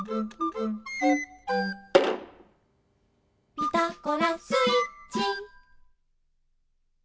「ピタゴラスイッチ」